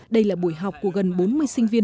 đây là buổi học của gần bốn mươi sinh viên